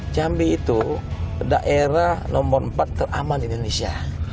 jambi itu daerah nomor empat teraman di indonesia